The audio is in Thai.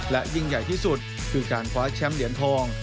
และยิ่งใหญ่ที่สุดคือการคว้าแชมป์เหรียญทอง